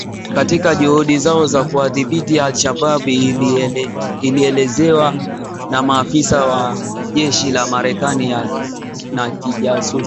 katika juhudi zao za kuwadhibiti al-Shabaab ilielezewa na maafisa wa jeshi la Marekani na kijasusi